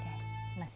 ini sudah jadi